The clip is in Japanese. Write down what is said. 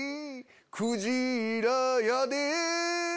くじら屋で